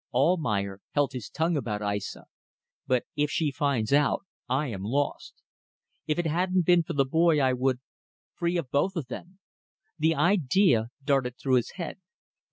Almayer held his tongue about Aissa. But if she finds out, I am lost. If it hadn't been for the boy I would ... free of both of them. ... The idea darted through his head.